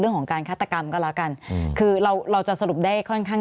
เรื่องของการฆาตกรรมก็แล้วกันคือเราเราจะสรุปได้ค่อนข้าง